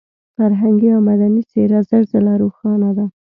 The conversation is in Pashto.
فرهنګي او مدني څېره زر ځله روښانه ده.